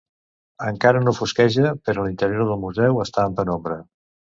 Encara no fosqueja, però l'interior del museu està en penombra.